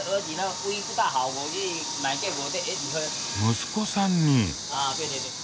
息子さんに？